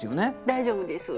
大丈夫です。